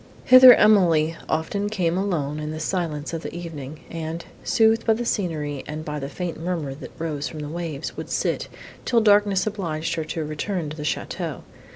Hither Emily often came alone in the silence of evening, and, soothed by the scenery and by the faint murmur, that rose from the waves, would sit, till darkness obliged her to return to the château.